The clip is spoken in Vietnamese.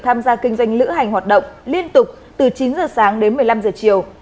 tham gia kinh doanh lữ hành hoạt động liên tục từ chín giờ sáng đến một mươi năm giờ chiều